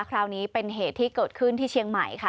คราวนี้เป็นเหตุที่เกิดขึ้นที่เชียงใหม่ค่ะ